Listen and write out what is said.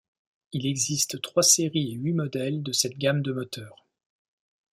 Il existe trois séries et huit modèles de cette gamme de moteurs.